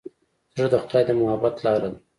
زړه د خدای د محبت لاره ده.